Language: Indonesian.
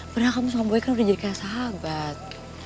padahal kamu sama boy kan udah jadi kayak sahabat